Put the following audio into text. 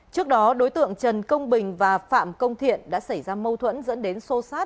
trước đó đối tượng trần công bình và phạm công thiện đã xảy ra mâu thuẫn dẫn đến sô sát